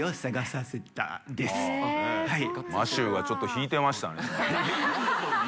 マシューはちょっと引いてましたね。